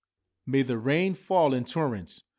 May the rain fall in torrents